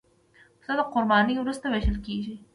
پسه د قربانۍ وروسته وېشل کېږي.